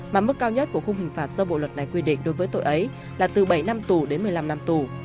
mà mức cao nhất của khung hình phạt do bộ luật này quy định đối với tội ấy là từ bảy năm tù đến một mươi năm năm tù